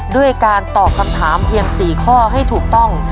ด้วยการตอบคำถามเพียง๔ข้อให้ถูกต้อง